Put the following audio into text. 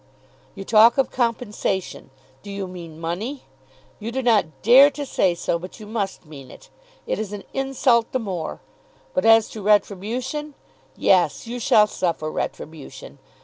You talk of compensation! Do you mean money? You do not dare to say so, but you must mean it. It is an insult the more. But as to retribution; yes. You shall suffer retribution.